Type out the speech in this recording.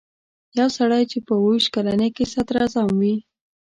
یو سړی چې په اووه ویشت کلنۍ کې صدراعظم وي.